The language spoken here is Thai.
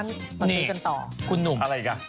นี่คุณหนุ่ม